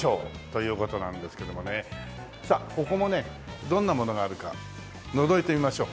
さあここもねどんなものがあるかのぞいてみましょう。